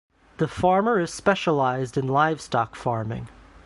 The farmer is specialized in livestock farming.